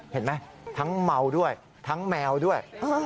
เห็นไหมทั้งเมาด้วยทั้งแมวด้วย